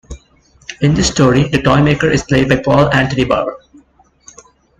In this story, the Toymaker is played by Paul Antony-Barber.